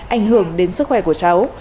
ảnh hưởng đến sức khỏe của cháu